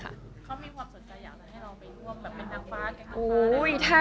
เขามีความสุดใจอยากอยากให้เราไปร่วมเหมือนกับแหน้งฟ้า